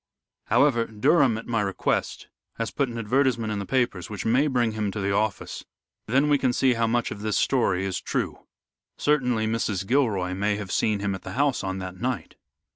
However, Durham, at my request, has put an advertisement in the papers which may bring him to the office, then we can see how much of this story is true. Certainly, Mrs. Gilroy may have seen him at the house on that night."